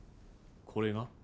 これが？